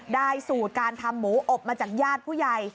สูตรการทำหมูอบมาจากญาติผู้ใหญ่